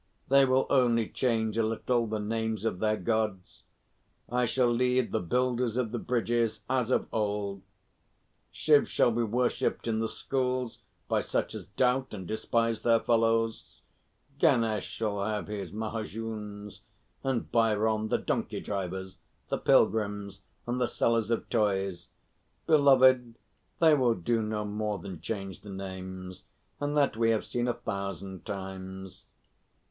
"They will only change a little the names of their Gods. I shall lead the builders of the bridges as of old; Shiv shall be worshipped in the schools by such as doubt and despise their fellows; Ganesh shall have his mahajuns, and Bhairon the donkey drivers, the pilgrims, and the sellers of toys. Beloved, they will do no more than change the names, and that we have seen a thousand times."